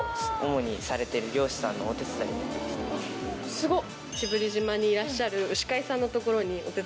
すごっ。